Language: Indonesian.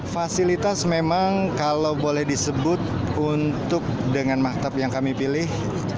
fasilitas memang kalau boleh disebut untuk dengan maktab yang kami pilih